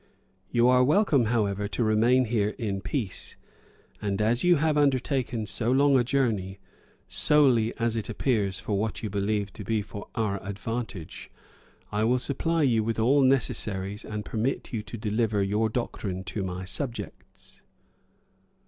You are welcome, however, to remain here in peace; and as you have undertaken so long a journey, solely, as it appears, for what you believe to be for our advantage, I will supply you with all necessaries, and permit you to deliver your doctrine to my subjects."